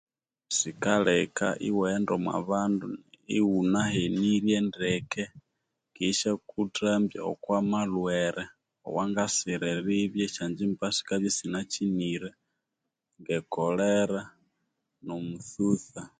Sikaleka iwaghenda omwa bandu ighunahenirye ndeke ke isyakuthambya okwa malhwere owangasira eribya esyonjjimba sikabya isinakyinire nge kolera nomutsutsa